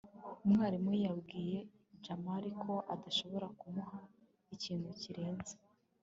umwarimu yabwiye jamali ko adashobora kumuha ikintu kirenze